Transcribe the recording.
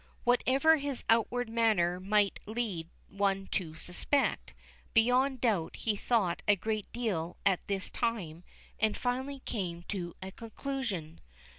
Whatever his outward manner might lead one to suspect, beyond doubt he thought a great deal at this time, and finally came to a conclusion.